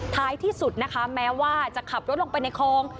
ท้ายที่สุดนะคะแม้ว่าจะขับรถลงไปในคลอง